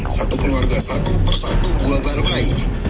satu keluarga satu persatu gue bantai